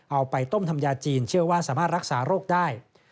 เอาไปต้มทำยาจีนเชื่อว่าสามารถรักษาโรคได้